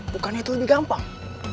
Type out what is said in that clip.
bukannya itu lebih gampang